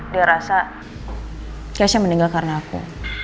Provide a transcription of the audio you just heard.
dia rasa kiesya meninggal karena aku